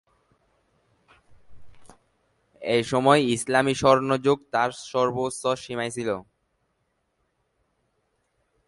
এসময় ইসলামি স্বর্ণযুগ তার সর্বোচ্চ সীমায় ছিল।